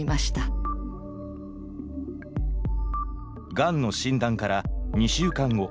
がんの診断から２週間後。